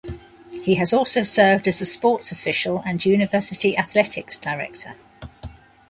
He has also served as a sports official and university athletics director.